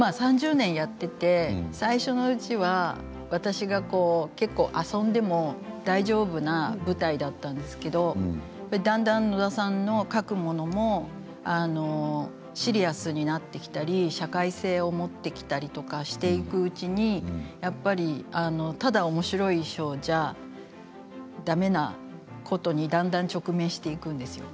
３０年やっていて最初のうちは私が結構、遊んでも大丈夫な舞台だったんですけどだんだん野田さんの書くものがシリアスになってきたり社会性を持ってきたりとかしていくうちにやっぱり、ただおもしろい衣装ではだめなことにだんだん直面していくんですよ。